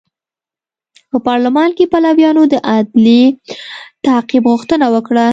په پارلمان کې پلویانو د عدلي تعقیب غوښتنه وکړه.